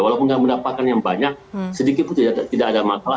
walaupun tidak mendapatkan yang banyak sedikit pun tidak ada masalah